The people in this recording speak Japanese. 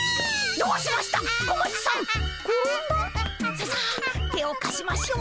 ささ手をかしましょう。